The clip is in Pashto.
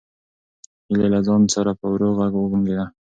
هیلې له ځان سره په ورو غږ وبونګېده.